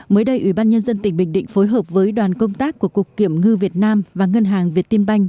mới đây ủy ban nhân dân tỉnh bình định phối hợp với đoàn công tác của cục kiểm ngư việt nam và ngân hàng việt tiên banh